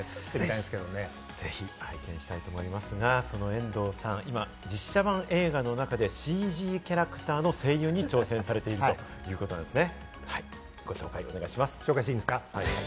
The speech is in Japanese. ぜひ拝見したいと思いますが、その遠藤さん、実写版映画の中でＣＧキャラクターの声優に挑戦されているということなんですよね。